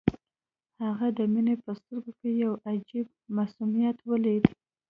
هغه د مينې په سترګو کې يو عجيب معصوميت وليد.